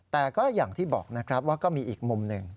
แต่ก็อย่างที่บอกนะครับว่าก็มีอีกมุมหนึ่ง